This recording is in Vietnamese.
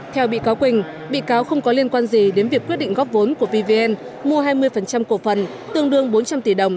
theo bị cáo quỳnh bị cáo không có liên quan gì đến việc quyết định góp vốn của pvn mua hai mươi cổ phần tương đương bốn trăm linh tỷ đồng